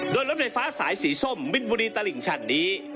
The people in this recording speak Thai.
โดยรถไฟฟ้าสายสีส้มบินบุรีตลิ่งชันนี้